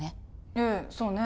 ええそうね